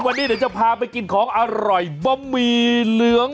วันนี้เดี๋ยวจะพาไปกินของอร่อยบะหมี่เหลือง